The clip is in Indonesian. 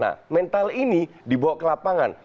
nah mental ini dibawa ke lapangan